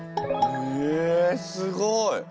へえすごい！